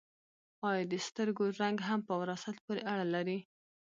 ایا د سترګو رنګ هم په وراثت پورې اړه لري